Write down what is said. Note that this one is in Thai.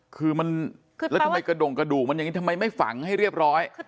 คือมันแล้วทำไมกระดงกระดูกมันอย่างนี้ทำไมไม่ฝังให้เรียบร้อย